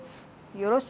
よろし。